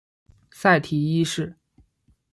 塞提一世。